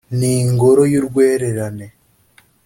Ni ingoro y'urwererane